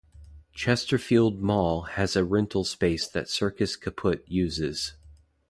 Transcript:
Chesterfield Mall has a rental space that Circus Kaput uses.